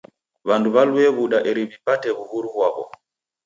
W'andu w'alue w'uda eri w'ipate w'uhuru ghwaw'o.